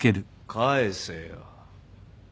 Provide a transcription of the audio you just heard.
返せよ。